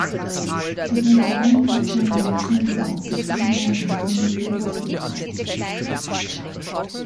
Ich möchte allen Fraktionen danken, die beabsichtigen, meine Richtlinie zu unterstützen.